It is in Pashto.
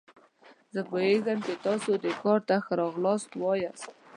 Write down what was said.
زه پوهیږم چې تاسو دې کار ته ښه راغلاست وایاست.